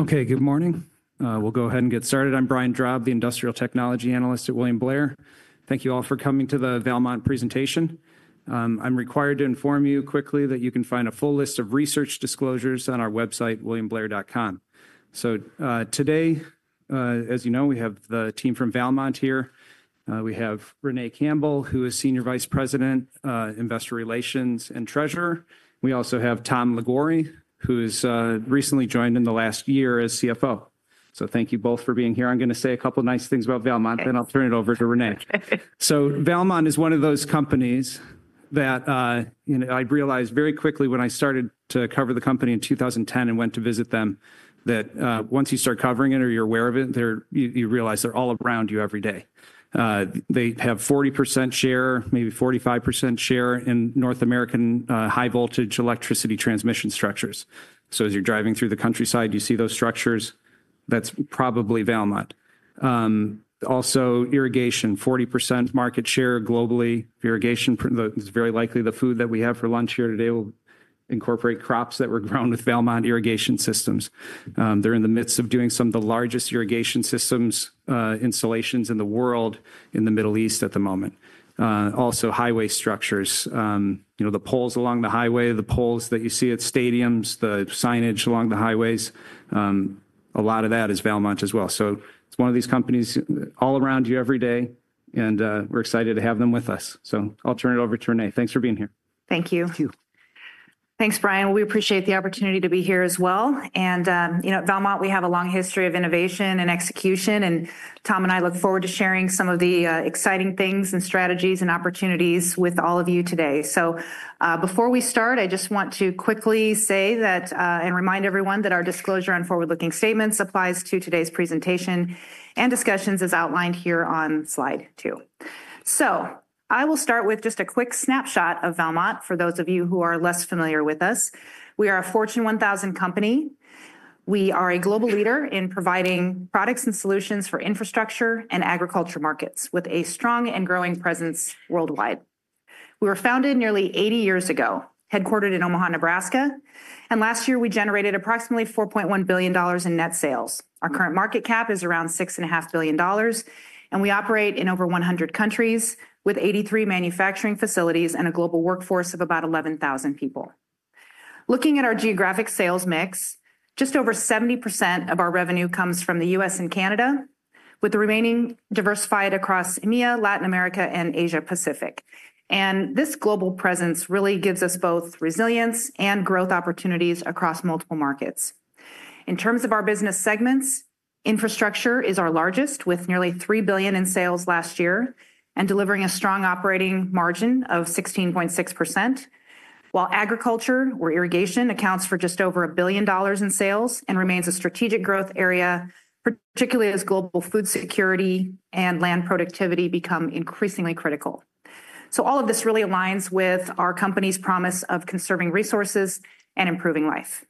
Okay, good morning. We'll go ahead and get started. I'm Brian Drab, the Industrial Technology Analyst at William Blair. Thank you all for coming to the Valmont presentation. I'm required to inform you quickly that you can find a full list of research disclosures on our website, williamblair.com. Today, as you know, we have the team from Valmont here. We have Renee Campbell, who is Senior Vice President, Investor Relations and Treasurer. We also have Tom Liguori, who's recently joined in the last year as CFO. Thank you both for being here. I'm going to say a couple of nice things about Valmont, then I'll turn it over to Renee. Valmont is one of those companies that, you know, I realized very quickly when I started to cover the company in 2010 and went to visit them, that once you start covering it or you're aware of it, you realize they're all around you every day. They have a 40% share, maybe 45% share in North American high voltage electricity transmission structures. As you're driving through the countryside, you see those structures. That's probably Valmont. Also, irrigation, 40% market share globally. Irrigation is very likely the food that we have for lunch here today. We'll incorporate crops that were grown with Valmont irrigation systems. They're in the midst of doing some of the largest irrigation systems installations in the world in the Middle East at the moment. Also, highway structures, you know, the poles along the highway, the poles that you see at stadiums, the signage along the highways. A lot of that is Valmont as well. It is one of these companies all around you every day. We are excited to have them with us. I will turn it over to Renee. Thanks for being here. Thank you. Thank you. Thanks, Brian. We appreciate the opportunity to be here as well. You know, at Valmont, we have a long history of innovation and execution. Tom and I look forward to sharing some of the exciting things and strategies and opportunities with all of you today. Before we start, I just want to quickly say that and remind everyone that our disclosure and forward-looking statements applies to today's presentation and discussions as outlined here on slide two. I will start with just a quick snapshot of Valmont for those of you who are less familiar with us. We are a Fortune 1000 company. We are a global leader in providing products and solutions for infrastructure and agriculture markets with a strong and growing presence worldwide. We were founded nearly 80 years ago, headquartered in Omaha, Nebraska. Last year, we generated approximately $4.1 billion in net sales. Our current market cap is around $6.5 billion. We operate in over 100 countries with 83 manufacturing facilities and a global workforce of about 11,000 people. Looking at our geographic sales mix, just over 70% of our revenue comes from the U.S. and Canada, with the remaining diversified across EMEA, Latin America, and Asia-Pacific. This global presence really gives us both resilience and growth opportunities across multiple markets. In terms of our business segments, infrastructure is our largest, with nearly $3 billion in sales last year and delivering a strong operating margin of 16.6%. While agriculture or irrigation accounts for just over $1 billion in sales and remains a strategic growth area, particularly as global food security and land productivity become increasingly critical. All of this really aligns with our company's promise of conserving resources and improving life.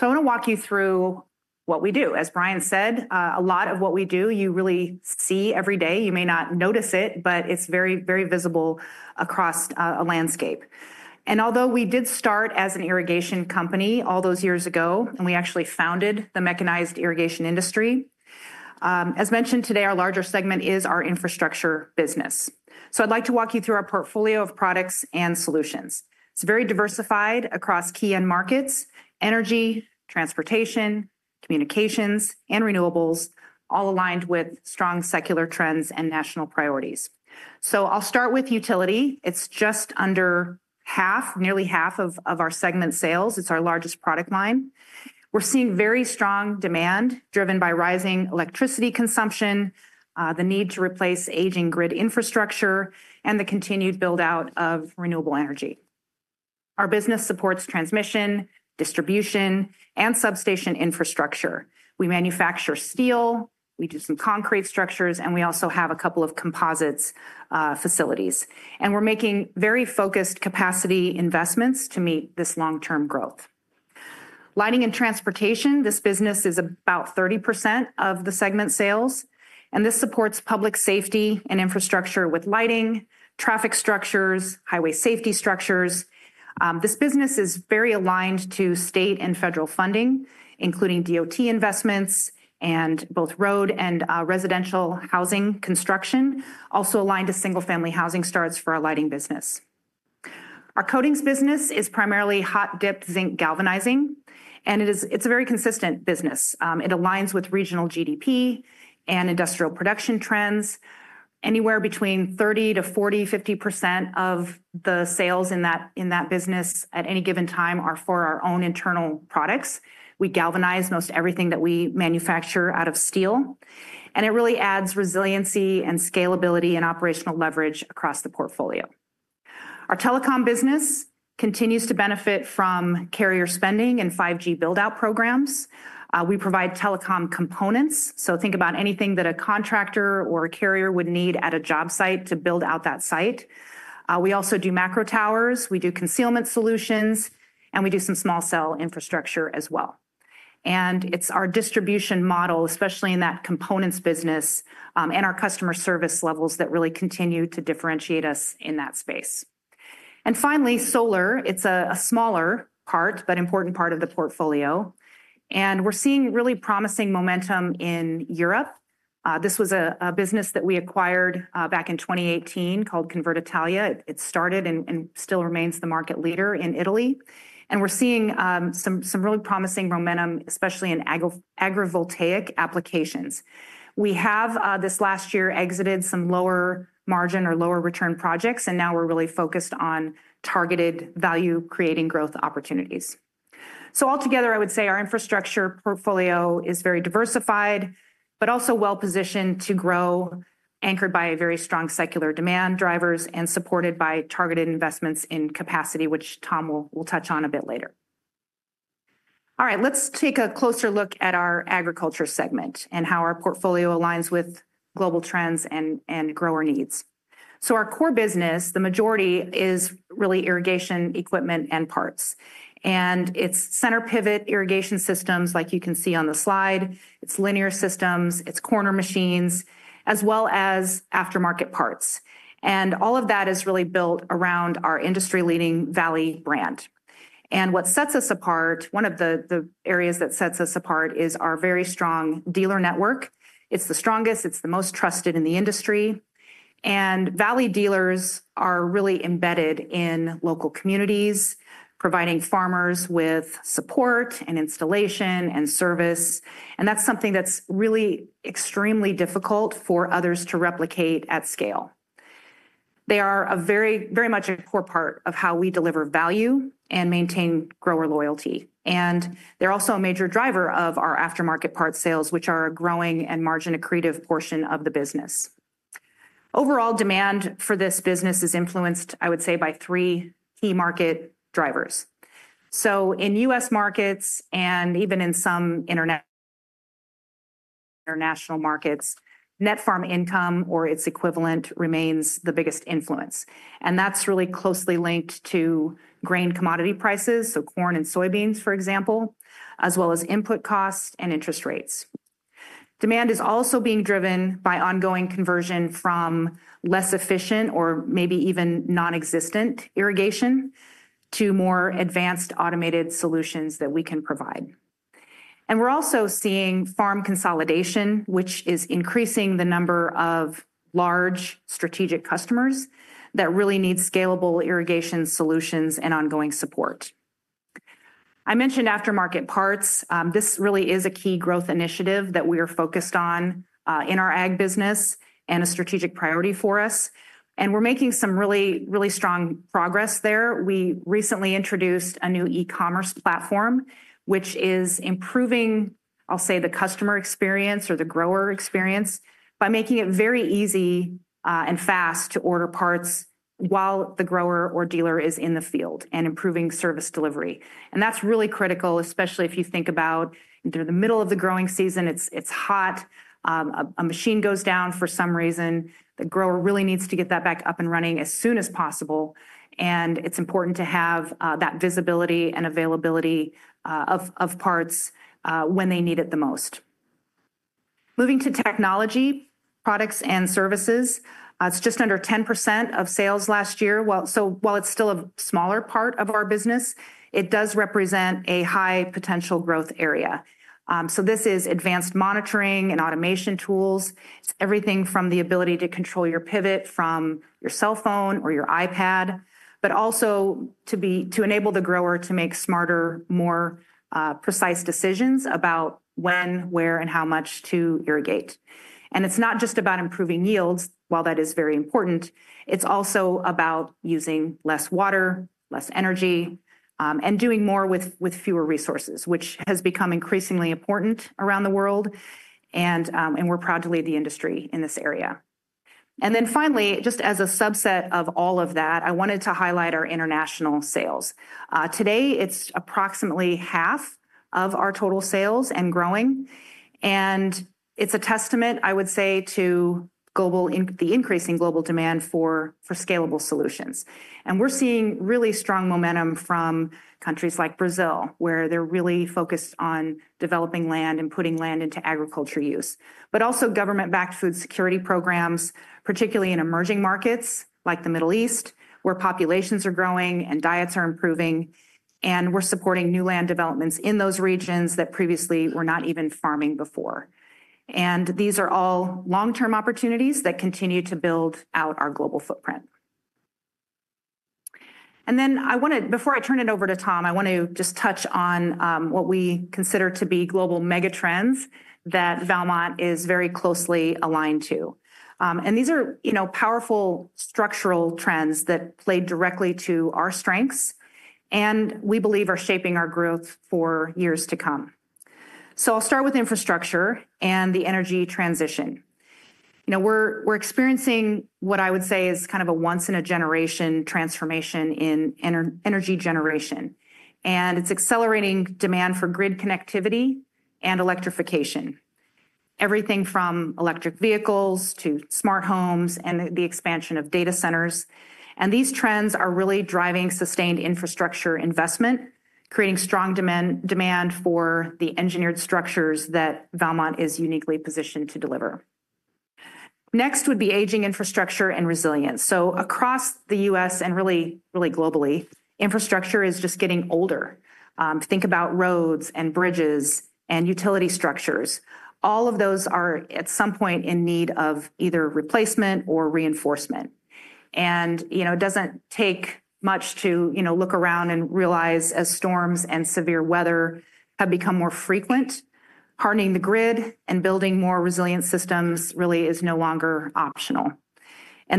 I want to walk you through what we do. As Brian said, a lot of what we do, you really see every day. You may not notice it, but it's very, very visible across a landscape. Although we did start as an irrigation company all those years ago, and we actually founded the mechanized irrigation industry, as mentioned today, our larger segment is our infrastructure business. I'd like to walk you through our portfolio of products and solutions. It's very diversified across key end markets: energy, transportation, communications, and renewables, all aligned with strong secular trends and national priorities. I'll start with utility. It's just under half, nearly half of our segment sales. It's our largest product line. We're seeing very strong demand driven by rising electricity consumption, the need to replace aging grid infrastructure, and the continued build-out of renewable energy. Our business supports transmission, distribution, and substation infrastructure. We manufacture steel. We do some concrete structures, and we also have a couple of composites facilities. We are making very focused capacity investments to meet this long-term growth. Lighting and transportation, this business is about 30% of the segment sales. This supports public safety and infrastructure with lighting, traffic structures, highway safety structures. This business is very aligned to state and federal funding, including DOT investments and both road and residential housing construction, also aligned to single-family housing starts for our lighting business. Our coatings business is primarily hot-dipped zinc galvanizing. It is a very consistent business. It aligns with regional GDP and industrial production trends. Anywhere between 30% to 40%, 50% of the sales in that business at any given time are for our own internal products. We galvanize most everything that we manufacture out of steel. It really adds resiliency and scalability and operational leverage across the portfolio. Our telecom business continues to benefit from carrier spending and 5G build-out programs. We provide telecom components. Think about anything that a contractor or a carrier would need at a job site to build out that site. We also do macro towers. We do concealment solutions. We do some small cell infrastructure as well. It is our distribution model, especially in that components business, and our customer service levels that really continue to differentiate us in that space. Finally, solar. It is a smaller part, but important part of the portfolio. We are seeing really promising momentum in Europe. This was a business that we acquired back in 2018 called Convert Italia. It started and still remains the market leader in Italy. We are seeing some really promising momentum, especially in agrivoltaic applications. We have this last year exited some lower margin or lower return projects. Now we're really focused on targeted value-creating growth opportunities. Altogether, I would say our infrastructure portfolio is very diversified, but also well-positioned to grow, anchored by very strong secular demand drivers and supported by targeted investments in capacity, which Tom will touch on a bit later. All right, let's take a closer look at our agriculture segment and how our portfolio aligns with global trends and grower needs. Our core business, the majority is really irrigation equipment and parts. It's center pivot irrigation systems, like you can see on the slide. It's linear systems. It's corner machines, as well as aftermarket parts. All of that is really built around our industry-leading Valley brand. What sets us apart, one of the areas that sets us apart, is our very strong dealer network. It's the strongest. It's the most trusted in the industry. Valley dealers are really embedded in local communities, providing farmers with support and installation and service. That is something that's really extremely difficult for others to replicate at scale. They are very, very much a core part of how we deliver value and maintain grower loyalty. They are also a major driver of our aftermarket part sales, which are a growing and margin-accretive portion of the business. Overall, demand for this business is influenced, I would say, by three key market drivers. In US markets and even in some international markets, net farm income or its equivalent remains the biggest influence. That is really closely linked to grain commodity prices, so corn and soybeans, for example, as well as input costs and interest rates. Demand is also being driven by ongoing conversion from less efficient or maybe even non-existent irrigation to more advanced automated solutions that we can provide. We are also seeing farm consolidation, which is increasing the number of large strategic customers that really need scalable irrigation solutions and ongoing support. I mentioned aftermarket parts. This really is a key growth initiative that we are focused on in our ag business and a strategic priority for us. We are making some really, really strong progress there. We recently introduced a new e-commerce platform, which is improving, I'll say, the customer experience or the grower experience by making it very easy and fast to order parts while the grower or dealer is in the field and improving service delivery. That is really critical, especially if you think about the middle of the growing season. It's hot. A machine goes down for some reason. The grower really needs to get that back up and running as soon as possible. It is important to have that visibility and availability of parts when they need it the most. Moving to technology, products, and services, it is just under 10% of sales last year. While it is still a smaller part of our business, it does represent a high potential growth area. This is advanced monitoring and automation tools. It is everything from the ability to control your pivot from your cell phone or your iPad, but also to enable the grower to make smarter, more precise decisions about when, where, and how much to irrigate. It is not just about improving yields, while that is very important. It is also about using less water, less energy, and doing more with fewer resources, which has become increasingly important around the world. We're proud to lead the industry in this area. Finally, just as a subset of all of that, I wanted to highlight our international sales. Today, it's approximately half of our total sales and growing. It's a testament, I would say, to the increasing global demand for scalable solutions. We're seeing really strong momentum from countries like Brazil, where they're really focused on developing land and putting land into agriculture use, but also government-backed food security programs, particularly in emerging markets like the Middle East, where populations are growing and diets are improving. We're supporting new land developments in those regions that previously were not even farming before. These are all long-term opportunities that continue to build out our global footprint. I want to, before I turn it over to Tom, I want to just touch on what we consider to be global mega trends that Valmont is very closely aligned to. These are powerful structural trends that play directly to our strengths and we believe are shaping our growth for years to come. I'll start with infrastructure and the energy transition. We're experiencing what I would say is kind of a once-in-a-generation transformation in energy generation. It's accelerating demand for grid connectivity and electrification, everything from electric vehicles to smart homes and the expansion of data centers. These trends are really driving sustained infrastructure investment, creating strong demand for the engineered structures that Valmont is uniquely positioned to deliver. Next would be aging infrastructure and resilience. Across the U.S. and really, really globally, infrastructure is just getting older. Think about roads and bridges and utility structures. All of those are at some point in need of either replacement or reinforcement. It does not take much to look around and realize as storms and severe weather have become more frequent, hardening the grid and building more resilient systems really is no longer optional.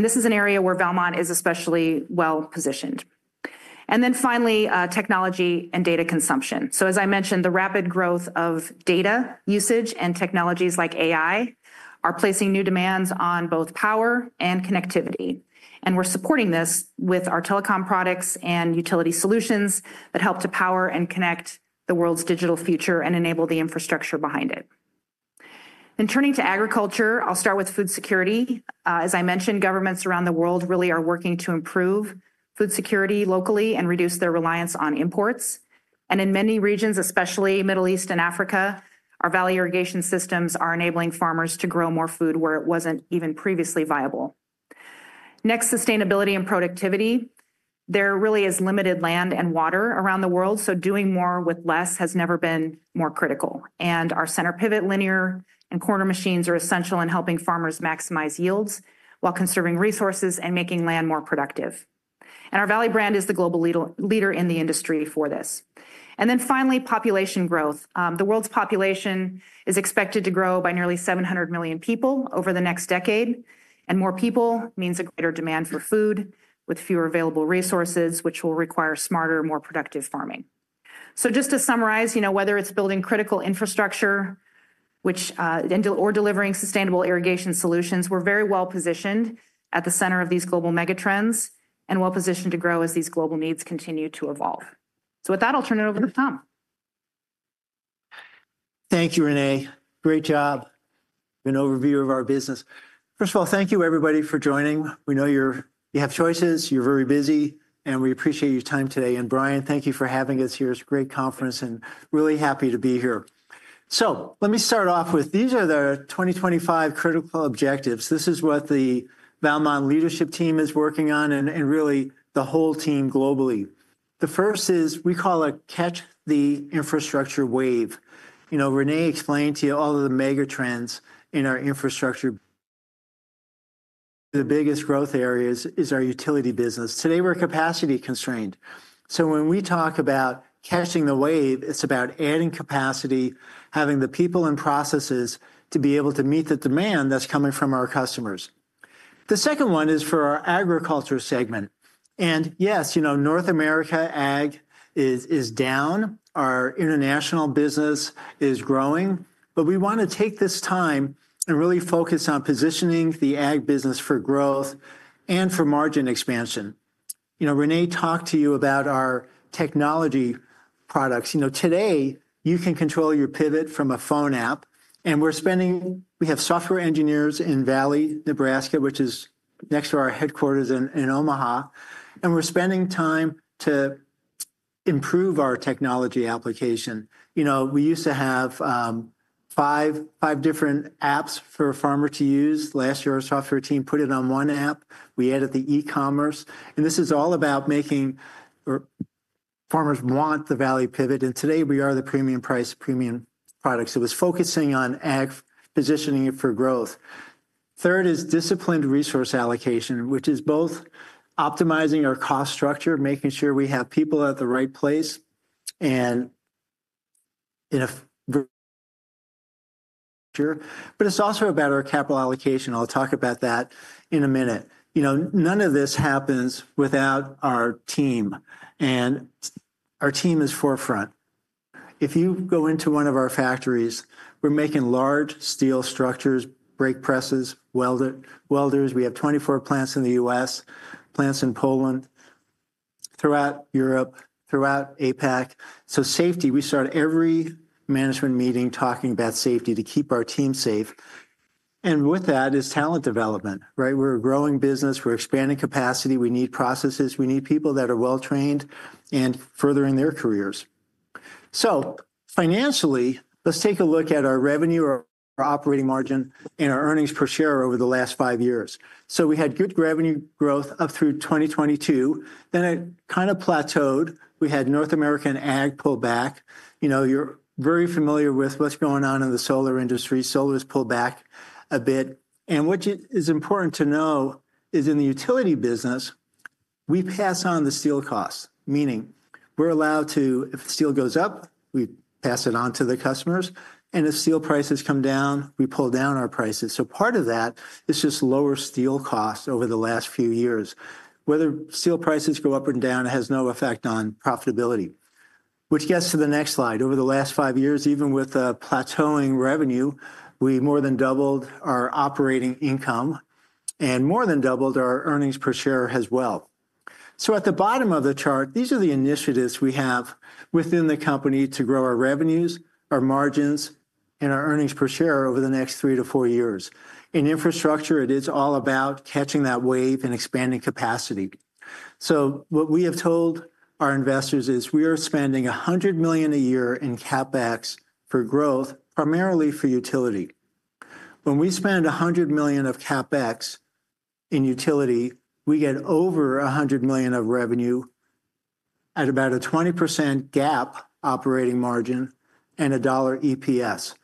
This is an area where Valmont is especially well positioned. Finally, technology and data consumption. As I mentioned, the rapid growth of data usage and technologies like AI are placing new demands on both power and connectivity. We are supporting this with our telecom products and utility solutions that help to power and connect the world's digital future and enable the infrastructure behind it. Turning to agriculture, I will start with food security. As I mentioned, governments around the world really are working to improve food security locally and reduce their reliance on imports. In many regions, especially Middle East and Africa, our Valley irrigation systems are enabling farmers to grow more food where it was not even previously viable. Next, sustainability and productivity. There really is limited land and water around the world. Doing more with less has never been more critical. Our center pivot, linear, and corner machines are essential in helping farmers maximize yields while conserving resources and making land more productive. Our Valley brand is the global leader in the industry for this. Finally, population growth. The world's population is expected to grow by nearly 700 million people over the next decade. More people means a greater demand for food with fewer available resources, which will require smarter, more productive farming. Just to summarize, whether it's building critical infrastructure or delivering sustainable irrigation solutions, we're very well positioned at the center of these global mega trends and well positioned to grow as these global needs continue to evolve. With that, I'll turn it over to Tom. Thank you, Renee. Great job. An overview of our business. First of all, thank you, everybody, for joining. We know you have choices. You're very busy. We appreciate your time today. Brian, thank you for having us here. It's a great conference and really happy to be here. Let me start off with these are the 2025 critical objectives. This is what the Valmont leadership team is working on and really the whole team globally. The first is we call it catch the infrastructure wave. Renee explained to you all of the mega trends in our infrastructure. The biggest growth areas is our utility business. Today, we're capacity constrained. When we talk about catching the wave, it's about adding capacity, having the people and processes to be able to meet the demand that's coming from our customers. The second one is for our agriculture segment. Yes, North America ag is down. Our international business is growing. We want to take this time and really focus on positioning the ag business for growth and for margin expansion. Renee talked to you about our technology products. Today, you can control your pivot from a phone app. We have software engineers in Valley, Nebraska, which is next to our headquarters in Omaha. We're spending time to improve our technology application. We used to have five different apps for a farmer to use. Last year, our software team put it on one app. We added the e-commerce. This is all about making farmers want the Valley pivot. Today, we are the premium price, premium products. It was focusing on ag, positioning it for growth. Third is disciplined resource allocation, which is both optimizing our cost structure, making sure we have people at the right place and in a future. It is also about our capital allocation. I'll talk about that in a minute. None of this happens without our team. Our team is forefront. If you go into one of our factories, we're making large steel structures, brake presses, welders. We have 24 plants in the U.S., plants in Poland, throughout Europe, throughout APAC. Safety, we start every management meeting talking about safety to keep our team safe. With that is talent development. We're a growing business. We're expanding capacity. We need processes. We need people that are well-trained and furthering their careers. Financially, let's take a look at our revenue, our operating margin, and our earnings per share over the last five years. We had good revenue growth up through 2022. It kind of plateaued. We had North American ag pullback. You're very familiar with what's going on in the solar industry. Solar has pulled back a bit. What is important to know is in the utility business, we pass on the steel cost, meaning we're allowed to, if steel goes up, we pass it on to the customers. If steel prices come down, we pull down our prices. Part of that is just lower steel costs over the last few years. Whether steel prices go up or down has no effect on profitability. Which gets to the next slide. Over the last five years, even with a plateauing revenue, we more than doubled our operating income and more than doubled our earnings per share as well. At the bottom of the chart, these are the initiatives we have within the company to grow our revenues, our margins, and our earnings per share over the next three to four years. In infrastructure, it is all about catching that wave and expanding capacity. What we have told our investors is we are spending $100 million a year in CapEx for growth, primarily for utility. When we spend $100 million of CapEx in utility, we get over $100 million of revenue at about a 20% gap operating margin and a dollar EPS.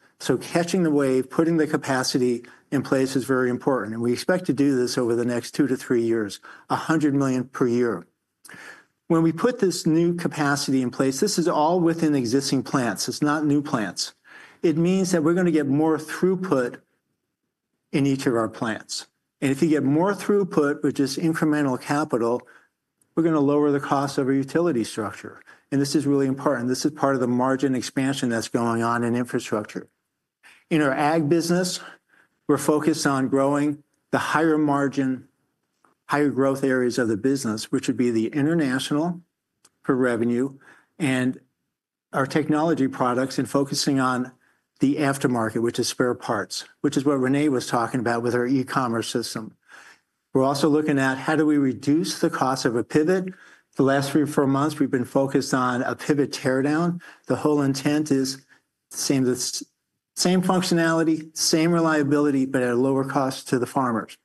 Catching the wave, putting the capacity in place is very important. We expect to do this over the next two to three years, $100 million per year. When we put this new capacity in place, this is all within existing plants. It is not new plants. It means that we are going to get more throughput in each of our plants. If you get more throughput, which is incremental capital, we are going to lower the cost of our utility structure. This is really important. This is part of the margin expansion that is going on in infrastructure. In our ag business, we are focused on growing the higher margin, higher growth areas of the business, which would be the international for revenue and our technology products and focusing on the aftermarket, which is spare parts, which is what Renee was talking about with our e-commerce system. We are also looking at how do we reduce the cost of a pivot. The last three or four months, we've been focused on a pivot teardown. The whole intent is the same functionality, same reliability, but at a lower cost to the farmers.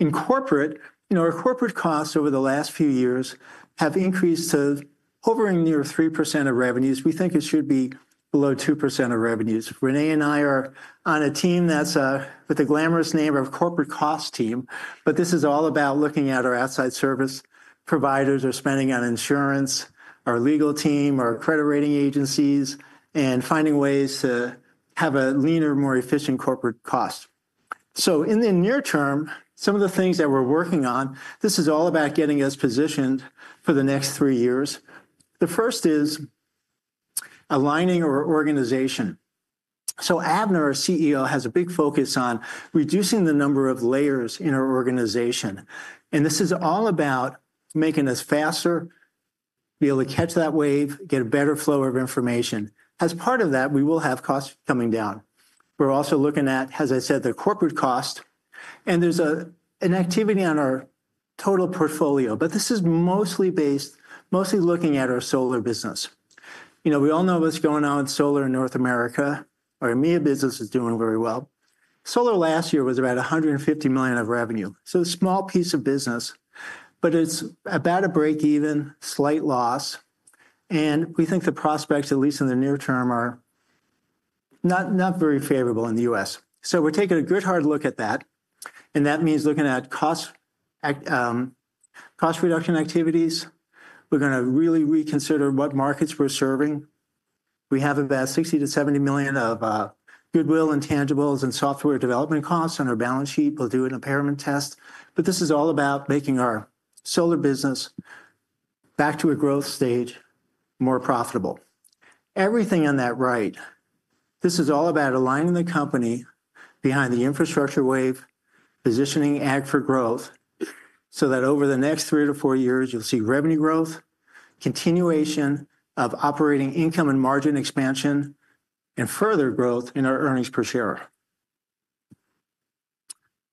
In corporate, our corporate costs over the last few years have increased to over and near 3% of revenues. We think it should be below 2% of revenues. Renee and I are on a team that's with the glamorous name of corporate cost team. This is all about looking at our outside service providers, our spending on insurance, our legal team, our credit rating agencies, and finding ways to have a leaner, more efficient corporate cost. In the near term, some of the things that we're working on, this is all about getting us positioned for the next three years. The first is aligning our organization. Avner, our CEO, has a big focus on reducing the number of layers in our organization. This is all about making us faster, be able to catch that wave, get a better flow of information. As part of that, we will have costs coming down. We're also looking at, as I said, the corporate cost. There's an activity on our total portfolio. This is mostly based, mostly looking at our solar business. We all know what's going on with solar in North America. Our EMEA business is doing very well. Solar last year was about $150 million of revenue, so a small piece of business. It's about a break-even, slight loss. We think the prospects, at least in the near term, are not very favorable in the U.S. We're taking a good, hard look at that. That means looking at cost reduction activities. We're going to really reconsider what markets we're serving. We have about $60 million-$70 million of goodwill and intangibles and software development costs on our balance sheet. We'll do an impairment test. This is all about making our solar business back to a growth stage, more profitable. Everything on that right, this is all about aligning the company behind the infrastructure wave, positioning ag for growth so that over the next three to four years, you'll see revenue growth, continuation of operating income and margin expansion, and further growth in our earnings per share.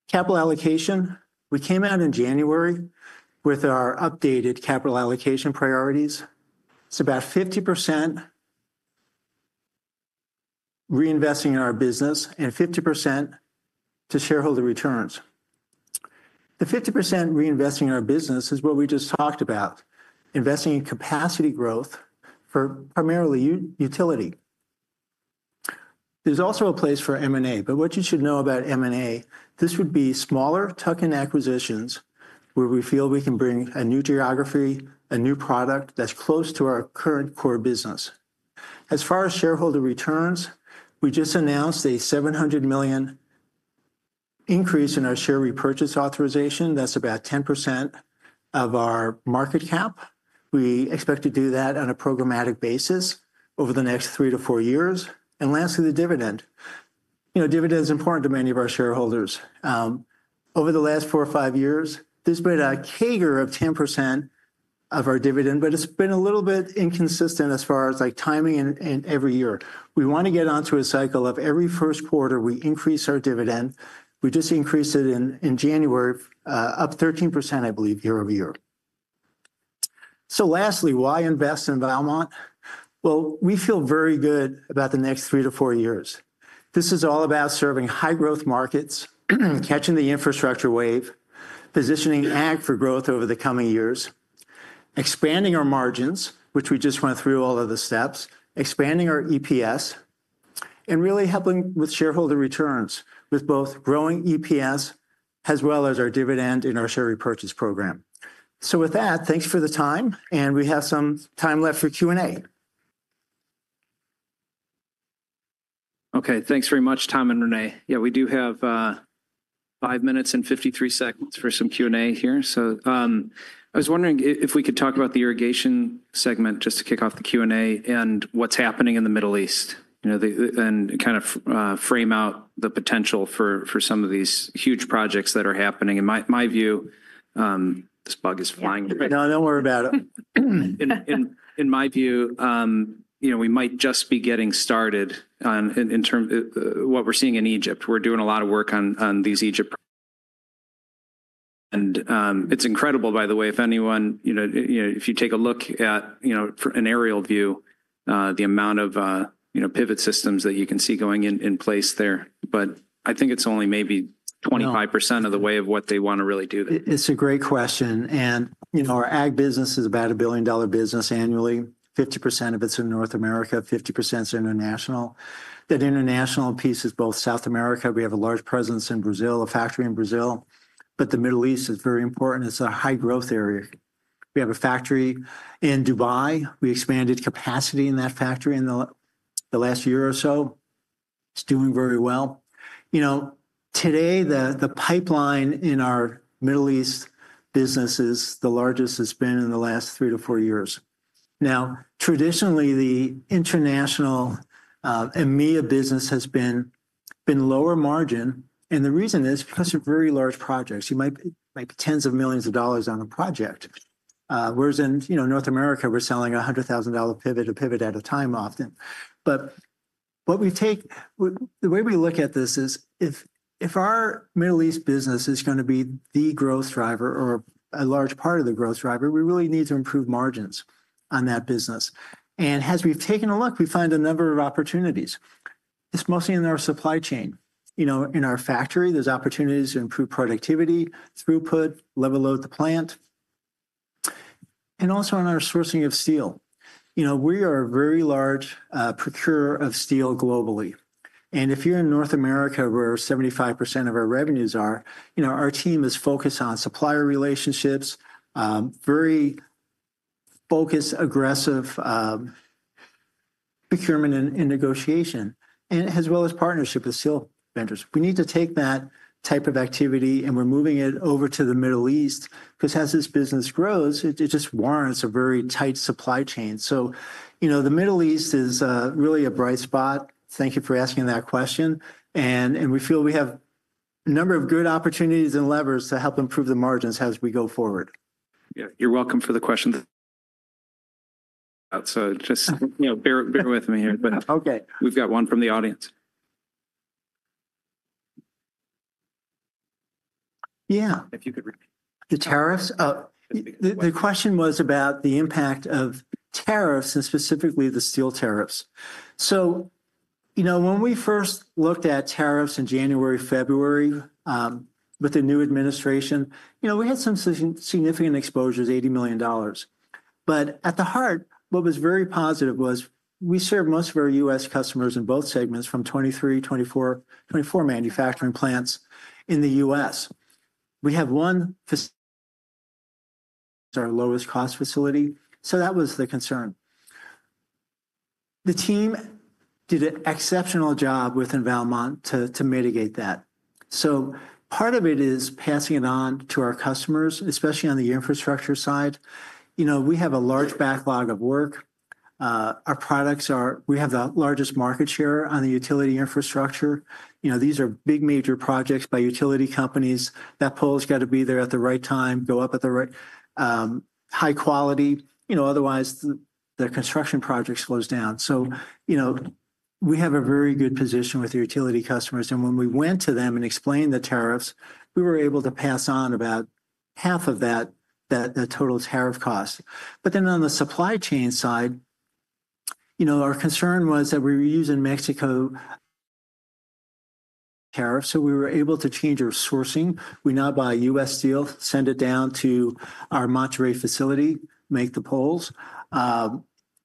Capital allocation, we came out in January with our updated capital allocation priorities. It's about 50% reinvesting in our business and 50% to shareholder returns. The 50% reinvesting in our business is what we just talked about, investing in capacity growth for primarily utility. There's also a place for M&A. What you should know about M&A, this would be smaller tuck-in acquisitions where we feel we can bring a new geography, a new product that's close to our current core business. As far as shareholder returns, we just announced a $700 million increase in our share repurchase authorization. That's about 10% of our market cap. We expect to do that on a programmatic basis over the next three to four years. Lastly, the dividend. Dividend is important to many of our shareholders. Over the last four or five years, there's been a CAGR of 10% of our dividend, but it's been a little bit inconsistent as far as timing in every year. We want to get onto a cycle of every first quarter, we increase our dividend. We just increased it in January up 13%, I believe, year-over-year. Lastly, why invest in Valmont? We feel very good about the next three to four years. This is all about serving high-growth markets, catching the infrastructure wave, positioning ag for growth over the coming years, expanding our margins, which we just went through all of the steps, expanding our EPS, and really helping with shareholder returns with both growing EPS as well as our dividend in our share repurchase program. With that, thanks for the time. We have some time left for Q&A. Okay. Thanks very much, Tom and Renee. Yeah, we do have five minutes and 53 seconds for some Q&A here. I was wondering if we could talk about the irrigation segment just to kick off the Q&A and what's happening in the Middle East and kind of frame out the potential for some of these huge projects that are happening. In my view, this bug is flying through. No, do not worry about it. In my view, we might just be getting started in terms of what we are seeing in Egypt. We are doing a lot of work on these Egypt. It is incredible, by the way, if anyone, if you take a look at an aerial view, the amount of pivot systems that you can see going in place there. I think it is only maybe 25% of the way of what they want to really do there. It is a great question. Our ag business is about a $1 billion business annually. 50% of it is in North America, 50% is international. That international piece is both South America. We have a large presence in Brazil, a factory in Brazil. The Middle East is very important. It is a high-growth area. We have a factory in Dubai. We expanded capacity in that factory in the last year or so. It's doing very well. Today, the pipeline in our Middle East business is the largest it's been in the last three to four years. Traditionally, the international EMEA business has been lower margin. The reason is because of very large projects. You might be tens of millions of dollars on a project. Whereas in North America, we're selling a $100,000 pivot to pivot at a time often. The way we look at this is if our Middle East business is going to be the growth driver or a large part of the growth driver, we really need to improve margins on that business. As we've taken a look, we find a number of opportunities. It's mostly in our supply chain. In our factory, there's opportunities to improve productivity, throughput, level out the plant. Also in our sourcing of steel. We are a very large procurer of steel globally. If you're in North America, where 75% of our revenues are, our team is focused on supplier relationships, very focused, aggressive procurement and negotiation, as well as partnership with steel vendors. We need to take that type of activity, and we're moving it over to the Middle East because as this business grows, it just warrants a very tight supply chain. The Middle East is really a bright spot. Thank you for asking that question. We feel we have a number of good opportunities and levers to help improve the margins as we go forward. Yeah, you're welcome for the questions. Just bear with me here. We've got one from the audience. Yeah. If you could repeat. The tariffs. The question was about the impact of tariffs and specifically the steel tariffs. When we first looked at tariffs in January, February with the new administration, we had some significant exposures, $80 million. At the heart, what was very positive was we served most of our US customers in both segments from 23, 24 manufacturing plants in the U.S. We have one facility that is our lowest cost facility. That was the concern. The team did an exceptional job within Valmont to mitigate that. Part of it is passing it on to our customers, especially on the infrastructure side. We have a large backlog of work. Our products are, we have the largest market share on the utility infrastructure. These are big, major projects by utility companies. That pole has got to be there at the right time, go up at the right high quality. Otherwise, the construction projects close down. We have a very good position with the utility customers. When we went to them and explained the tariffs, we were able to pass on about half of that total tariff cost. Then on the supply chain side, our concern was that we were using Mexico tariffs. We were able to change our sourcing. We now buy US steel, send it down to our Monterrey facility, make the poles.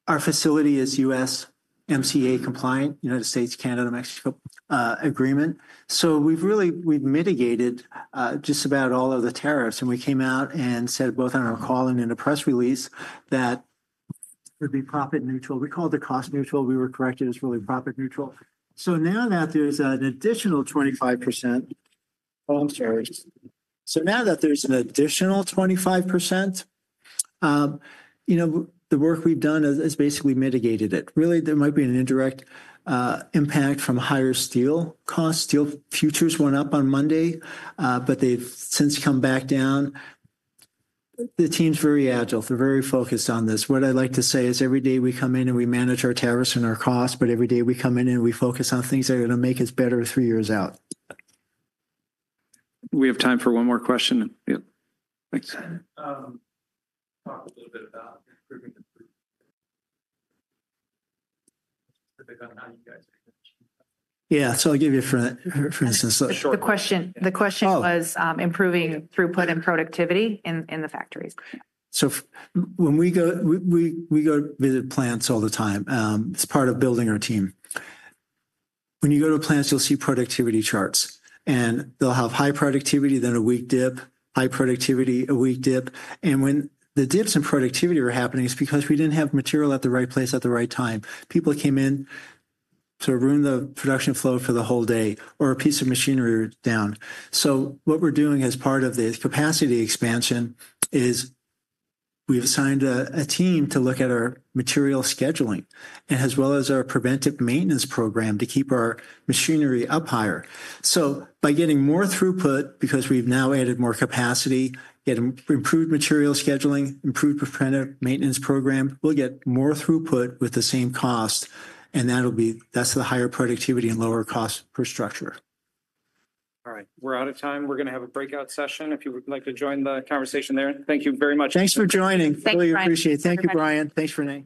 Our facility is USMCA compliant, United States-Mexico-Canada Agreement. We have mitigated just about all of the tariffs. We came out and said both on our call and in a press release that it would be profit neutral. We called it cost neutral. We were corrected. It is really profit neutral. Now that there is an additional 25%. Oh, I am sorry. Now that there is an additional 25%, the work we have done has basically mitigated it. Really, there might be an indirect impact from higher steel costs. Steel futures went up on Monday, but they have since come back down. The team is very agile. They are very focused on this. What I like to say is every day we come in and we manage our tariffs and our costs, but every day we come in and we focus on things that are going to make us better three years out. We have time for one more question. Thanks. Talk a little bit about improving the throughput. Specific on how you guys are going to. Yeah. I will give you a for instance. The question was improving throughput and productivity in the factories. When we go visit plants all the time, it is part of building our team. When you go to plants, you'll see productivity charts. They'll have high productivity, then a weak dip, high productivity, a weak dip. When the dips in productivity were happening, it's because we didn't have material at the right place at the right time. People came in to ruin the production flow for the whole day or a piece of machinery down. What we're doing as part of the capacity expansion is we've assigned a team to look at our material scheduling as well as our preventive maintenance program to keep our machinery up higher. By getting more throughput, because we've now added more capacity, get improved material scheduling, improved preventive maintenance program, we'll get more throughput with the same cost. That'll be that's the higher productivity and lower cost per structure. All right. We're out of time. We're going to have a breakout session. If you would like to join the conversation there, thank you very much. Thanks for joining. Thank you. Really appreciate it. Thank you, Brian. Thanks for joining.